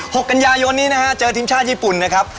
หกกันยายนนี้นะฮะเจอทีมชาติญี่ปุ่นนะครับ